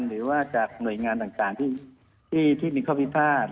หรือว่าจากหน่วยงานต่างที่มีข้อพิพาท